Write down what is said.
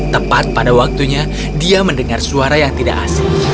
tepat pada waktunya dia mendengar suara yang tidak asing